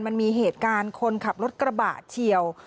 มันมีเหตุการณ์คนขับรถกระบะเฉียว